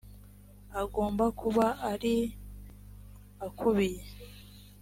agomba kuba ari akubiye